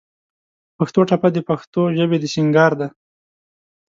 پښتو ټپه د پښتو ژبې د سينګار دى.